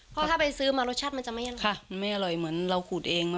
เพราะถ้าไปซื้อมารสชาติมันจะไม่อร่อยค่ะมันไม่อร่อยเหมือนเราขูดเอง